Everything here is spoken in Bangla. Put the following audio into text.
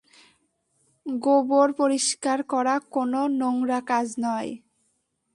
গোবর পরিস্কার করা কোনও নোংরা কাজ নয়।